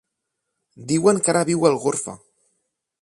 Diuen que ara viu a Algorfa.